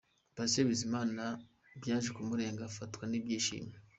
Patient Bizimana byaje kumurenga afatwa n'ibyishimo.